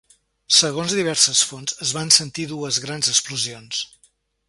Segons diverses fonts, es van sentir dues grans explosions.